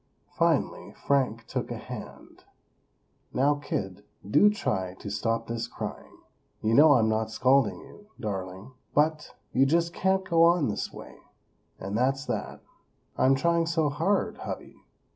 Finally Frank took a hand: "Now, kid, do try to stop this crying! You know I'm not scolding you, darling, but, you just can't go on this way; and that's that!" "I'm trying so hard, hubby!"